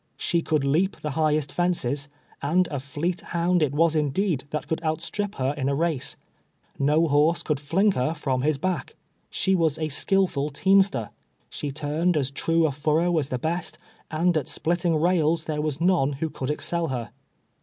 She could lea}) the highest fences, and a fleet hound it was indeed, that could outstrip her in a race. Xo horse could liingher from las back. She was a skillful teamster. She turned as true a furrow as the best, and at splitting rails there were none who could excel her.